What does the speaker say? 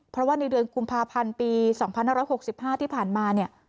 เพราะว่าในเดือนกุมภาพันธ์ปี๒๕๖๕ที่ผ่านมาเนี่ย